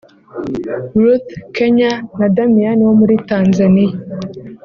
Ruth(Kenya) na Damian wo muri Tanzaniya